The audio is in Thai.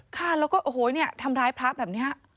ค่ะแล้วก็ทำร้ายพระแบบนี้